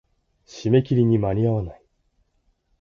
締め切りに間に合わない。